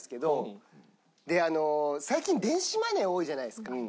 最近電子マネー多いじゃないですか。